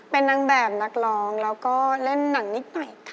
เป็นนางแบบนักร้องแล้วก็เล่นหนังนิดหน่อยค่ะ